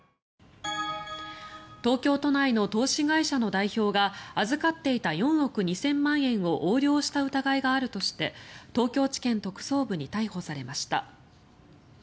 東京都内の投資会社の代表が預かっていた４億２０００万円を横領した疑いがあるとして東京地検特捜部に逮捕されました。